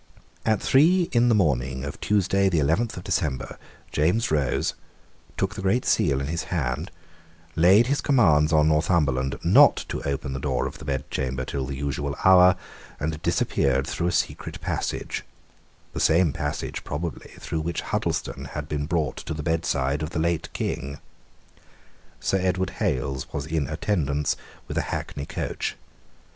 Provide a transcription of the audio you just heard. At three in the morning of Tuesday the eleventh of December, James rose, took the Great Seal in his hand, laid his commands on Northumberland not to open the door of the bedchamber till the usual hour, and disappeared through a secret passage; the same passage probably through which Huddleston had been brought to the bedside of the late king. Sir Edward Hales was in attendance with a hackney coach.